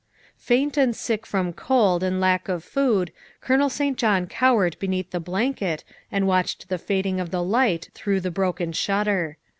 Faint and sick from cold and lack of food, Colonel St. John cowered beneath the blanket and watched the fading of the light through the broken shutter.